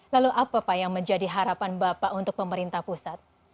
lalu apa pak yang menjadi harapan bapak untuk pemerintah pusat